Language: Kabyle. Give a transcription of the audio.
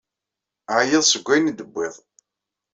Ɛeyyeḍ seg ayen i d-tewwiḍ.